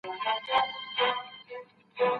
چېري د کار خوندي شرایط نه شته؟